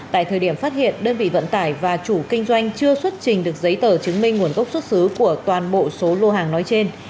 tại thời điểm phát hiện đơn vị vận tải và chủ kinh doanh chưa xuất trình được giấy tờ chứng minh nguồn gốc xuất xứ của toàn bộ số lô hàng nói trên